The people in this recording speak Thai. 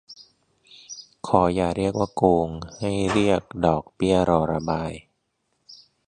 ขออย่าเรียกว่าโกง ให้เรียกดอกเบี้ยรอระบาย